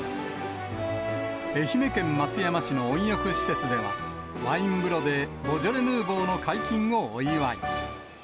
愛媛県松山市の温浴施設では、ワイン風呂でボジョレ・ヌーボーの解禁をお祝い。